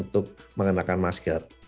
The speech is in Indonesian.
untuk mengenakan masker